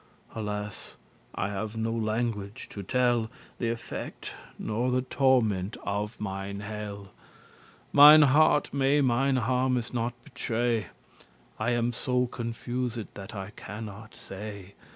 Alas! I have no language to tell Th'effecte, nor the torment of mine hell; Mine hearte may mine harmes not betray; I am so confused, that I cannot say.